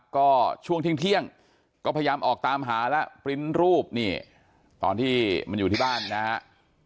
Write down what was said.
ก็ช่วงเที่ยงก็พยายามออกตามหาแล้วปริ้นต์รูปนี่ตอนที่มันอยู่ที่บ้านนะครับ